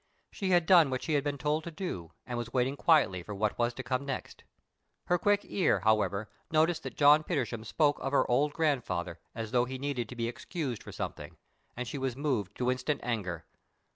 She had done what she had been told to do, and was waiting quietly for what was to come next. Her quick ear, however, noticed that John Petersham spoke of her old grandfather as though he needed to be excused for something, and she was moved to instant anger.